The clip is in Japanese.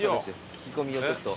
聞き込みをちょっと。